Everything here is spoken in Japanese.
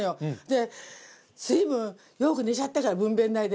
で随分よく寝ちゃったから分娩台で。